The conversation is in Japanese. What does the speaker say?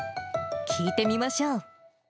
聞いてみましょう。